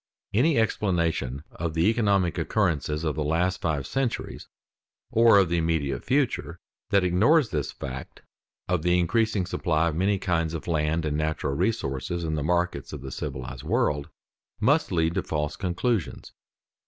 Any explanation of the economic occurrences of the last five centuries or of the immediate future, that ignores this fact of the increasing supply of many kinds of land and natural resources in the markets of the civilized world, must lead to false conclusions.